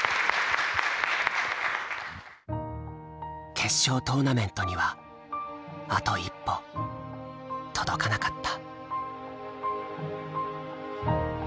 決勝トーナメントにはあと一歩届かなかった。